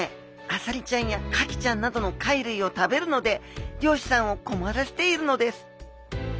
アサリちゃんやカキちゃんなどの貝類を食べるので漁師さんを困らせているのです。